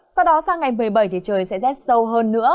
sau đó sang ngày một mươi bảy thì trời sẽ rét sâu hơn nữa